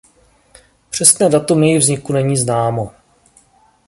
Přesné datum jejich vzniku není známo.